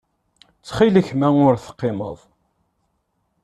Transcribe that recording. Ttxil-k ma ur teqqimeḍ.